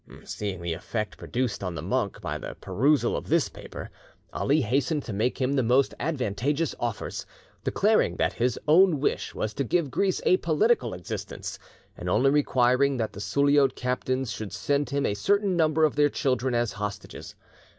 Seeing the effect produced on the monk by the perusal of this paper, Ali hastened to make him the most advantageous offers, declaring that his own wish was to give Greece a political existence, and only requiring that the Suliot captains should send him a certain number of their children as hostages.